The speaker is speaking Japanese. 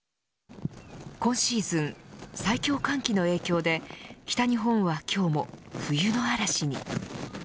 今シーズン最強寒気の影響で北日本は今日も冬の嵐に。